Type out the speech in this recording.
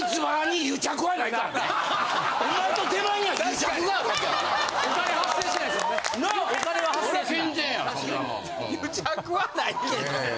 癒着はないけど。